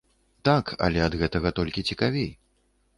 Так, але ад гэтага толькі цікавей.